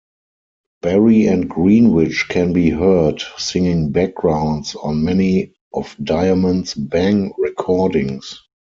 Barry and Greenwich can be heard singing backgrounds on many of Diamond's Bang recordings.